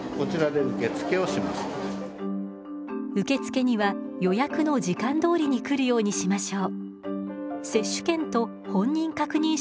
受付には予約の時間どおりに来るようにしましょう。